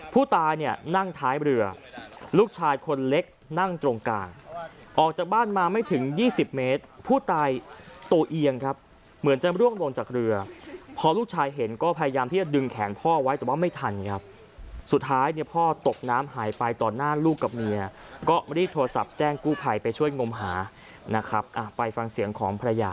ผู้ตายเนี่ยนั่งท้ายเรือลูกชายคนเล็กนั่งตรงกลางออกจากบ้านมาไม่ถึง๒๐เมตรผู้ตายตัวเอียงครับเหมือนจะร่วงลงจากเรือพอลูกชายเห็นก็พยายามที่จะดึงแขนพ่อไว้แต่ว่าไม่ทันครับสุดท้ายเนี่ยพ่อตกน้ำหายไปต่อหน้าลูกกับเมียก็รีบโทรศัพท์แจ้งกู้ภัยไปช่วยงมหานะครับไปฟังเสียงของภรรยา